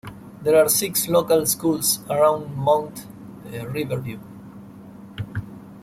There are six local schools around Mount Riverview.